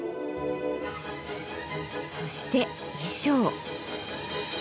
そして衣装。